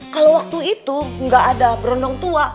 kalau waktu itu nggak ada berondong tua